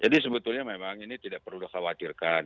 jadi sebetulnya memang ini tidak perlu dikhawatirkan